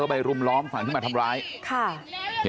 แล้วป้าไปติดหัวมันเมื่อกี้แล้วป้าไปติดหัวมันเมื่อกี้